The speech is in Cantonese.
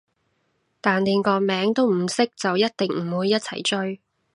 但連個名都唔識就一定唔會一齊追